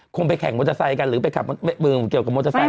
คงไปแข่งมอเตอร์ไซค์กันหรือไปขับเกี่ยวกับมอเตอร์ไซค์ใช่ไหม